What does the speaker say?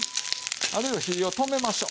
あるいは火を止めましょう。